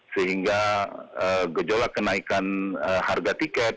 sehingga gejolak kenaikan harga tiket